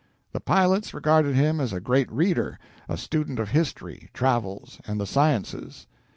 The pilots regarded him as a great reader a student of history, travels, and the sciences.